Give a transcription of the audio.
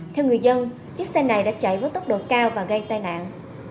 theo người dân chiếc xe này đã chạy với tốc độ cao và gây tai nạn